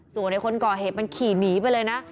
ส่วนในคนก่อเหตุมันขี่หนีไปเลยนะ